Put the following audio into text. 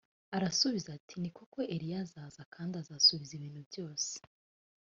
arabasubiza ati ni koko eliya azaza kandi azasubiza ibintu byose